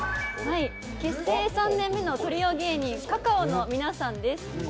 結成３年目のトリオ芸人、ｃａｃａｏの皆さんです。